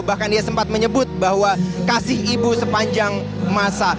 bahkan ia sempat menyebut bahwa kasih ibu sepanjang masa